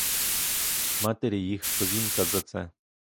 Матері їх ковінька за це!